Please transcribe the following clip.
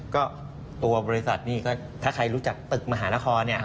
ก็ตัวบริษัทนี่ก็ถ้าใครรู้จักตึกมหานครเนี่ย